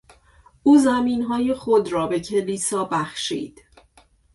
او زمینهای خود را به کلیسا بخشید.